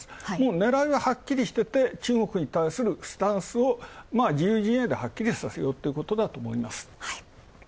狙いははっきりしていて、中国に対するスタンスをはっきりさせようってことだと思います